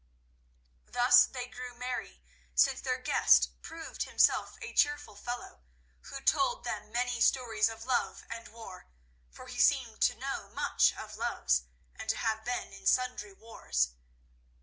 Thus they grew merry since their guest proved himself a cheerful fellow, who told them many stories of love and war, for he seemed to know much of loves, and to have been in sundry wars.